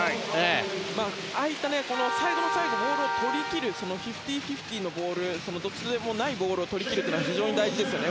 ああいった最後の最後ボールをとりきるフィフティーフィフティーのボールそのどちらでもないボールをとりきることは非常に大事ですね。